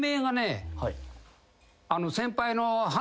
先輩の。